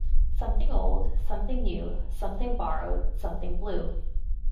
Something old, something new, something borrowed, something blue.